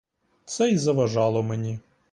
Це й заважало мені.